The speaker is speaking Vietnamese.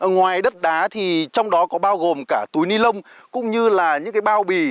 ngoài đất đá thì trong đó có bao gồm cả túi ni lông cũng như là những cái bao bì